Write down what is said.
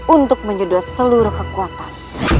untuk menyedot seluruh kekuatan